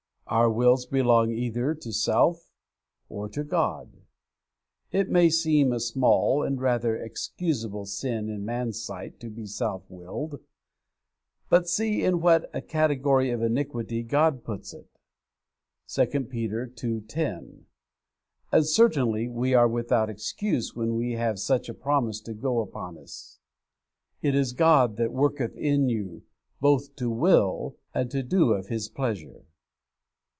Our wills belong either to self or to God. It may seem a small and rather excusable sin in man's sight to be self willed, but see in what a category of iniquity God puts it! (2 Pet. ii. 10). And certainly we are without excuse when we have such a promise to go upon as, 'It is God that worketh in you both to will and to do of His pleasure.'